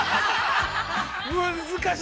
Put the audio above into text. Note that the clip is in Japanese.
◆難しい。